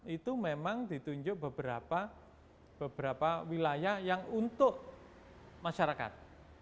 itu memang ditunjuk beberapa wilayah yang untuk masyarakat